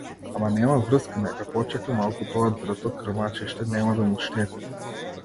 Ама нема врска, нека почека малку тоа дрто крмачиште, нема да му штети.